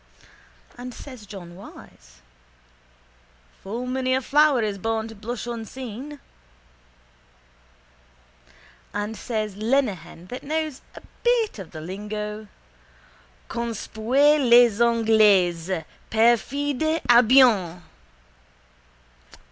_ And says John Wyse: —Full many a flower is born to blush unseen. And says Lenehan that knows a bit of the lingo: —_Conspuez les Anglais! Perfide Albion!